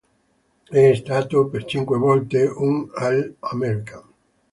È stato per cinque volte un all-american.